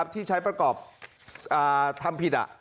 ที่ใช้ประกอบทำผิด